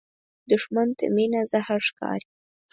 دښمن ته مینه زهر ښکاري